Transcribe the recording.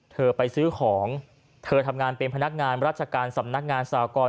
เธอไปซื้อของเธอทำงานเป็นพนักงานราชการสำนักงานสากร